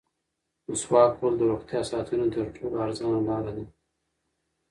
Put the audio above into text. مسواک وهل د روغتیا ساتنې تر ټولو ارزانه لاره ده.